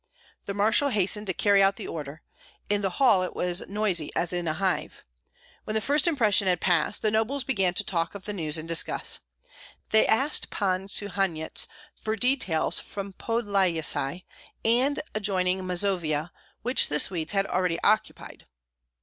The marshal hastened to carry out the order. In the hall it was as noisy as in a hive. When the first impression had passed, the nobles began to talk of the news and discuss. They asked Pan Suhanyets for details from Podlyasye, and adjoining Mazovia, which the Swedes had already occupied.